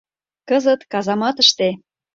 Кызыт казаматыште.